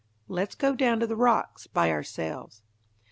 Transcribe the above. Let's go down to the rocks by ourselves."